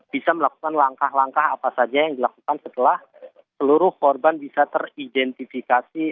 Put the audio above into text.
bisa melakukan langkah langkah apa saja yang dilakukan setelah seluruh korban bisa teridentifikasi